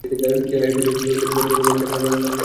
এর পেছনেই শুরু হয়েছে পুরোনো মরিচা ধরা গাড়ির এলোমেলো সারি।